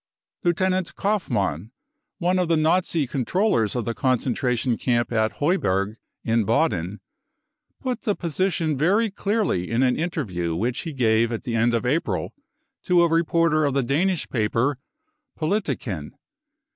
Lieutenant Kaufmann, one of the Nazi controllers of the concentration camp at Heuberg in Baden, put the position very clearly in an interview which he gave at the end of April to a reporter of the Danish paper Politiken.